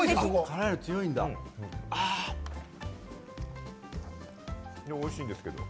いや、おいしいんですけど。